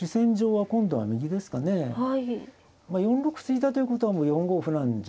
まあ４六歩突いたということはもう４五歩なんじゃないですかね。